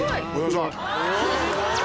すごい！